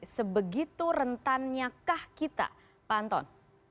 sebegitu rentannya kah kita pak anton